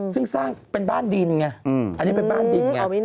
ซึ่งสร้างเป็นบ้านดินไงอันนี้เป็นบ้านดินไง